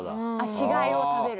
死骸を食べる。